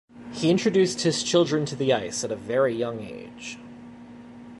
He introduced his children to the ice at a very young age.